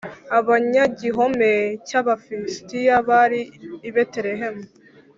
abanyagihome cy Abafilisitiya bari i Betelehemu